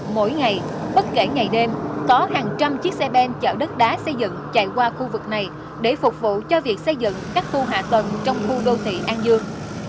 mỗi ngày bất kể ngày đêm có hàng trăm chiếc xe ben chở đất đá xây dựng chạy qua khu vực này để phục vụ cho việc xây dựng các khu hạ tầng trong khu đô thị an dương